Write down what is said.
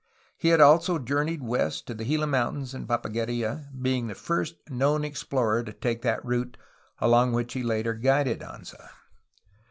He had also journeyed west of the Gila Mountains in Papagueria, being the first known ex plorer to take that route, along which he later guided Anza.